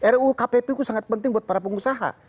ruu kpp itu sangat penting buat para pengusaha